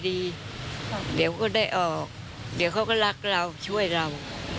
เดี๋ยวก็ได้ออกเดี๋ยวเขาก็รักเราช่วยเรา